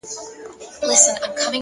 وخت د غفلت زیان نه پټوي،